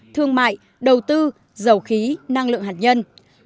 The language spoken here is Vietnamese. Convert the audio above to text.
thương mại đầu tư dầu khí năng lượng hạt nhân